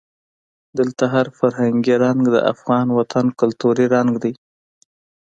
دلته هر فرهنګي رنګ د افغان وطن کلتوري رنګ دی.